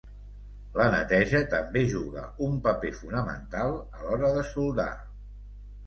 La neteja també juga un paper fonamental a l'hora de soldar.